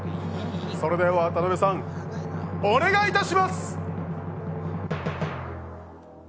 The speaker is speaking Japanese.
それでは、渡邊さん、お願いいたします！